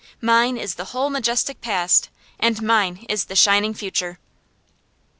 Mine is the whole majestic past, and mine is the shining future.